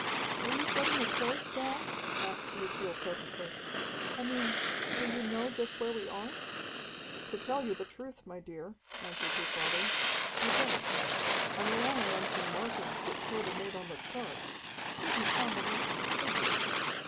"Are you setting a course, dad?" asked Lucille presently. "I mean, do you know just where we are?" "To tell you the truth, my dear," answered her father, "I don't. I'm relying on some markings that Tode made on the chart certain combinations of figures.